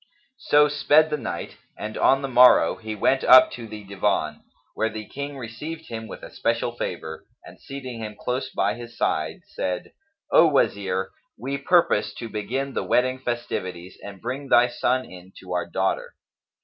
So sped the night and on the morrow, he went up to the Divan, where the King received him with especial favour and seating him close by his side, said, "O Wazir, we purpose to begin the wedding festivities and bring thy son in to our daughter."